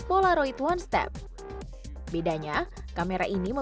melalui penumpang yang dikhianati oleh kamera instan